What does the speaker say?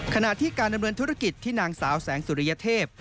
ขณะที่การดำเนินธุรกิจที่นางสาวแสงสุริยเทพ